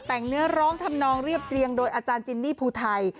แต่งเนื้อร้องทำนองเรียบเรียงโดยอาจารย์จินนี่ภูไทย